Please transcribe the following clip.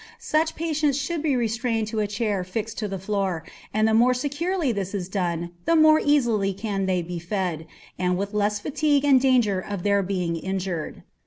Such patients should be restrained to a chair fixed to the floor, and the more securely this is done the more easily can they be fed, and with less fatigue and danger of their being injured.